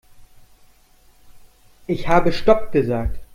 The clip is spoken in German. Ich habe stopp gesagt.